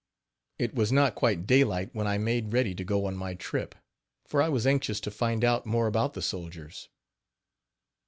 It was not quite daylight when I made ready to go on my trip, for I was anxious to find out more about the soldiers.